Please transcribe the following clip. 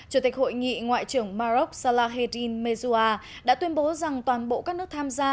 chủ tịch hội nghị ngoại trưởng maroc salahdin mezua đã tuyên bố rằng toàn bộ các nước tham gia